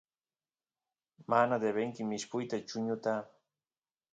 mana debenki mishpuyta chuñuta